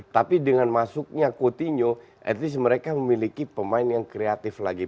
tapi dengan masuknya coutinho at least mereka memiliki pemain yang kreatif lagi